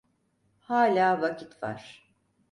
Hâlâ vakit var.